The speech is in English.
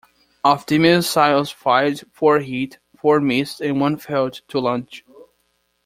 Of the missiles fired four hit, four missed and one failed to launch.